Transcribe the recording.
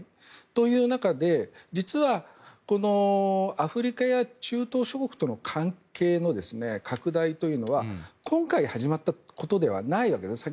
という中で、実はアフリカや中東諸国との関係の拡大というのは今回始まったことではないんですね。